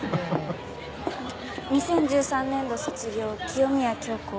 ２０１３年度卒業清宮響子。